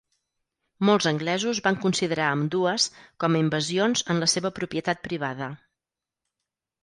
Molts anglesos van considerar ambdues com a invasions en la seva propietat privada.